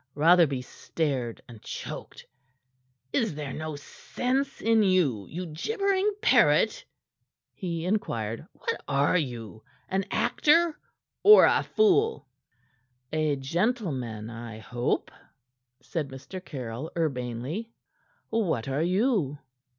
Rotherby stared and choked. "Is there no sense in you, you gibbering parrot?" he inquired. "What are you an actor or a fool?" "A gentleman, I hope," said Mr. Caryll urbanely. "What are you?"